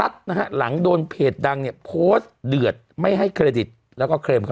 ยังไงอะ